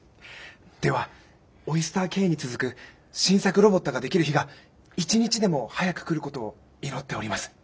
ではオイスターＫに続く新作ロボットができる日が一日でも早く来ることを祈っております。